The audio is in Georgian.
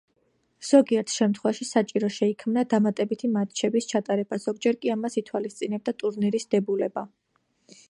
ზოგიერთ შემთხვევაში საჭირო შეიქმნა დამატებითი მატჩების ჩატარება, ზოგჯერ კი ამას ითვალისწინებდა ტურნირის დებულება.